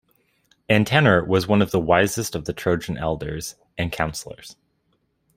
Antenor was one of the wisest of the Trojan elders and counsellors.